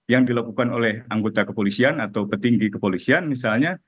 yang dilakukan oleh anggota kepolisian atau petinggi kepolisian misalnya